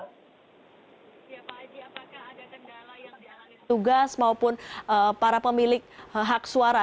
siapa aji apakah ada kendala yang dianggap tugas maupun para pemilik hak suara